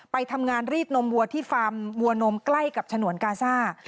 ไปทำงานรีดนมวัวที่ฟาร์มวัวนมใกล้กับฉนวนกาซ่า